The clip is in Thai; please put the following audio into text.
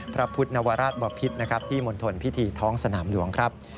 พระพุทธนวราชบพิษที่มนถนพิธีท้องสนามหลวงครับ